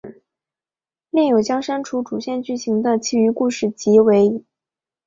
另有将删除主线剧情的其余故事集结为。